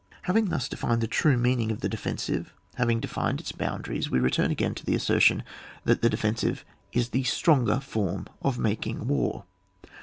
Having thus defined the true meaning of the defensive, having defined its boun daries, we return again to the assertion that the defensive w the stronger fof^m of making war.